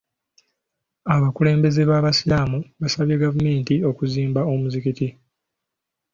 Abakulembeze b'abasiraamu baasabye gavumenti okuzimba omuzikiti.